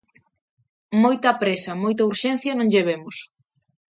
Moita présa, moita urxencia non lle vemos.